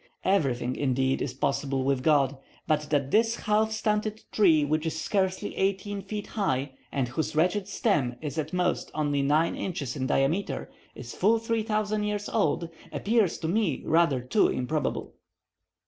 Everything, indeed, is possible with God; but that this half stunted tree which is scarcely eighteen feet high, and whose wretched stem is at most only nine inches in diameter, is full 3,000 years old, appears to me rather too improbable!